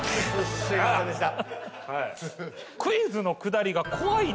すみませんでした。